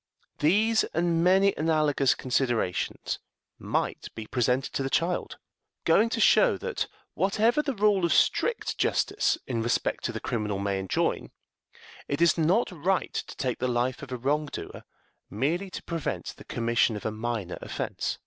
These and many analogous considerations might be presented to the child, going to show that, whatever the rule of strict justice in respect to the criminal may enjoin, it is not right to take the life of a wrong doer merely to prevent the commission of a minor offense.